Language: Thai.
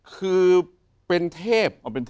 คือเป็นเทพ